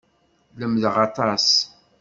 Lemmdeɣ aṭas.